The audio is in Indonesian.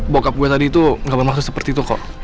bokap gue tadi itu nggak bermaksud seperti itu kok